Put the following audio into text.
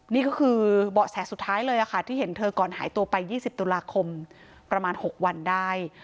นี่ก็คือเบาะแสสุดท้ายเลยค่ะที่เห็นเธอก่อนหายตัวไป๒๐ตุลาคมประมาณ๖วันได้